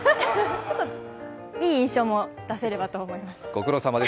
ちょっといい印象も出せればと思って。